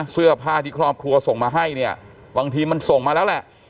เสื้อผ้าที่ครอบครัวส่งมาให้เนี่ยบางทีมันส่งมาแล้วแหละ